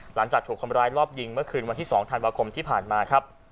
หลังจากถูกคนร้ายรอบยิงเมื่อคืนวันที่๒ธันวาคมที่ผ่านมาครับ